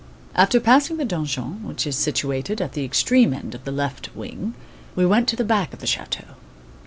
After passing the donjon, which is situated at the extreme end of the left wing, we went to the back of the chateau.